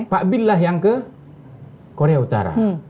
pak bin lah yang ke korea utara